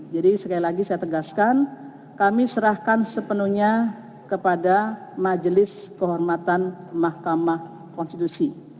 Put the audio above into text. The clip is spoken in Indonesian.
jadi sekali lagi saya tegaskan kami serahkan sepenuhnya kepada majelis kehormatan mahkamah konstitusi